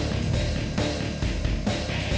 lah tak aktif pak